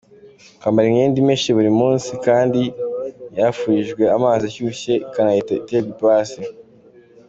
Kwambara imyenda imeshe buri munsi kandi yarafurishijwe amazi ashyushye ikanahita iterwa ipasi,.